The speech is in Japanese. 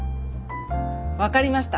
分かりました。